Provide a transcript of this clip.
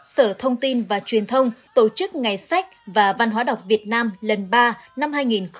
sở thông tin và truyền thông tổ chức ngày sách và văn hóa đọc việt nam lần ba năm hai nghìn hai mươi